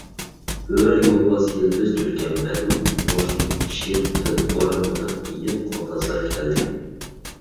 بۆرە، يولۋاس، يىلپىز، تۈلكە، مولۇن، بورسۇق، شىر، پىل، ئورانگوتان، ئېيىق، قوتازلار كەلدى.